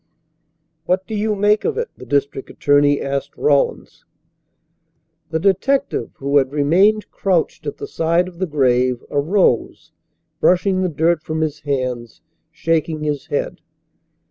"What do you make of it?" the district attorney asked Rawlins. The detective, who had remained crouched at the side of the grave, arose, brushing the dirt from his hands, shaking his head.